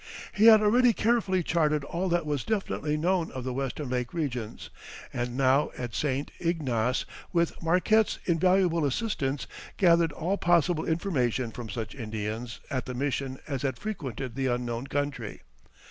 He had already carefully charted all that was definitely known of the western lake regions, and now at St. Ignace, with Marquette's invaluable assistance, gathered all possible information from such Indians at the mission as had frequented the unknown country.